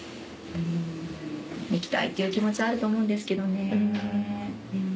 行きたいっていう気持ちはあると思うんですけどね。